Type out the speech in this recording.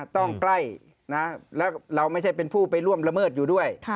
ต้องใกล้แล้วเราไม่ใช่เป็นผู้ไปร่วมละเมิดอยู่ด้วย